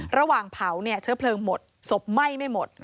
ระหว่างเผาเนี่ยเชื้อเพลิงหมดศพไหม้ไม่หมด